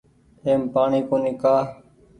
ايم پآڻيٚ ڪونيٚ ڪآ